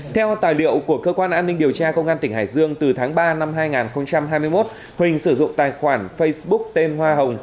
theo tài liệu của cơ quan an ninh điều tra công an tỉnh hải dương từ tháng ba năm hai nghìn hai mươi một huỳnh sử dụng tài khoản facebook tên hoa hồng